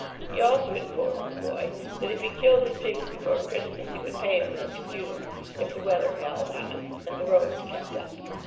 He also informed the boy that if he killed his pigs before Christmas he would pay him next June, if the weather held on and the roads kept up.